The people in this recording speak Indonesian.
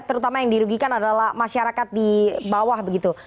terutama yang dirugikan adalah masyarakat di bawah begitu